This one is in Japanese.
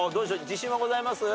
自信はございます？